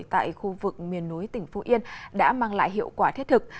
tại khu vực miền núi tỉnh phú yên đã mang lại hiệu quả thiết thực